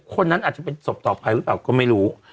คนนั้นอาจจะเป็นศพต่อไปหรือเปล่าก็ไม่รู้